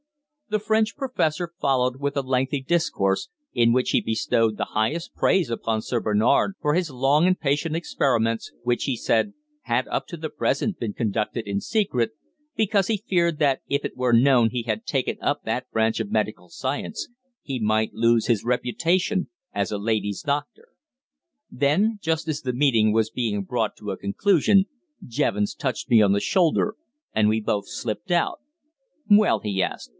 The French professor followed with a lengthy discourse, in which he bestowed the highest praise upon Sir Bernard for his long and patient experiments, which, he said, had up to the present been conducted in secret, because he feared that if it were known he had taken up that branch of medical science he might lose his reputation as a lady's doctor. Then, just as the meeting was being brought to a conclusion, Jevons touched me on the shoulder, and we both slipped out. "Well," he asked.